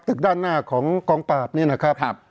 ด้านหน้าของกองปราบเนี่ยนะครับ